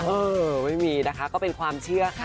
เออไม่มีนะคะก็เป็นความเชื่อค่ะ